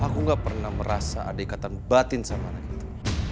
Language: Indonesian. aku gak pernah merasa ada ikatan batin sama anak itu